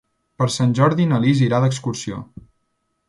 Per Sant Jordi na Lis irà d'excursió.